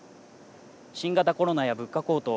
新型コロナや物価高騰